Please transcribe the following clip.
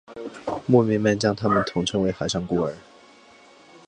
牧民们将他们统称为上海孤儿。